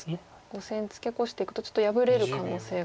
５線ツケコしていくとちょっと破れる可能性が。